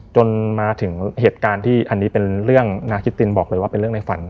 จนมาถึงเหตุการณ์ที่อันนี้เป็นเรื่องน่าคิดตินบอกเลยว่าเป็นเรื่องในฝัน